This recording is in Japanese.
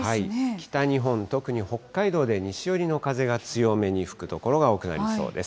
北日本、特に北海道で西寄りの風が強めに吹く所が多くなりそうです。